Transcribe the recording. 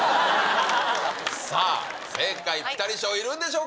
さあ、正解、ピタリ賞いるんでしょうか。